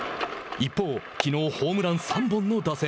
一方きのうホームラン３本の打線。